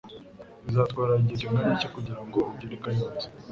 Bizatwara igihe kingana iki kugirango ugere i Kayonza